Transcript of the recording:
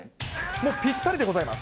もうぴったりでございます。